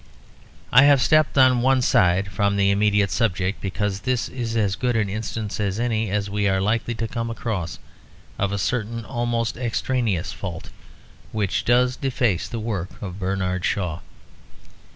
I have stepped on one side from the immediate subject because this is as good an instance as any we are likely to come across of a certain almost extraneous fault which does deface the work of Bernard Shaw.